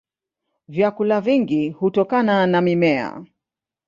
Vyakula vingi hutokana na mimea.